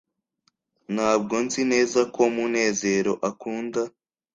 ntabwo nzi neza ko munezero akunda